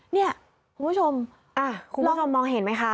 เนี่ยคุณผู้ชมคุณผู้ชมมองเห็นไหมคะ